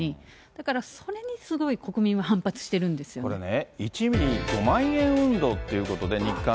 だから、それにすごい国民は反発してるんですよね。